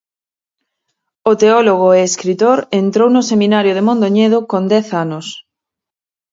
O teólogo e escritor entrou no seminario de Mondoñedo con dez anos.